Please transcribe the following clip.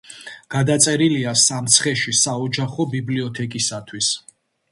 გადაწერილია სამცხეში საოჯახო ბიბლიოთეკისათვის.